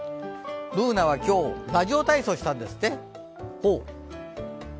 Ｂｏｏｎａｈは今日、ラジオ体操をしたんですって？